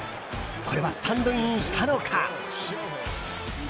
これはスタンドインしたのか？